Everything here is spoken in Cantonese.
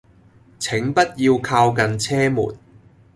請不要靠近車門